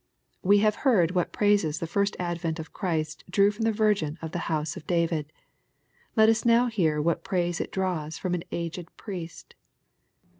We have heard what praises the first advent of Christ drew from the Virgin of the house of David. Let us now hear what praise it draws from an aged priest.